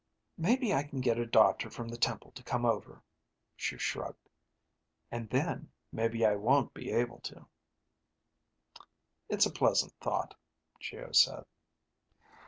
"Maybe I can get a doctor from the temple to come over," she shrugged. "And then, maybe I won't be able to." "It's a pleasant thought," Geo said.